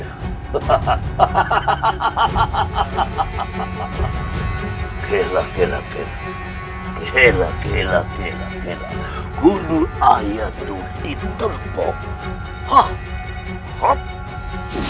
hahaha hahaha kena kena kena kena kena kena kena kena kena guru ayat duduk terpukul